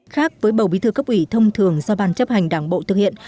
khác với bầu bí thư cấp ủy thông thường do ban chấp hành đảng bộ thực hiện